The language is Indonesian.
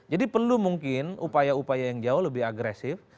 jadi perlu mungkin upaya upaya yang jauh lebih agresif